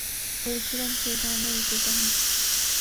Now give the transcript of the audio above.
ভেবেছিলাম সেই ধারণার ইতি টানব!